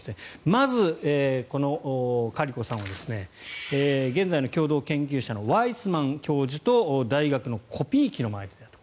まず、このカリコさんは現在の共同研究者のワイスマン教授と大学のコピー機の前で出会った。